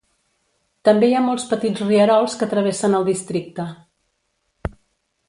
També hi ha molts petits rierols que travessen el districte.